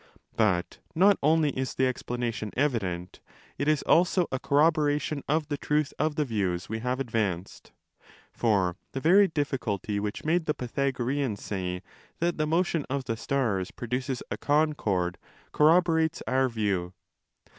But not only is the explanation evident; it is also a corroboration of the truth of the views we have advanced. . For the very difficulty which made the Pythagoreans say that the motion of the stars produces το ἃ concord corroborates our view.